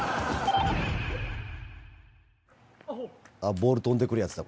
ボール飛んでくるやつだ